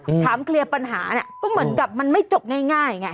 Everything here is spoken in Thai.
อืมถามเคลียบปัญหานี้ก็เหมือนกับมันไม่จบง่าย